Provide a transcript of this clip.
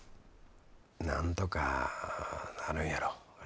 なんとかなるんやろ。